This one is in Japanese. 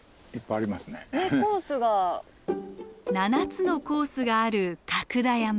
７つのコースがある角田山。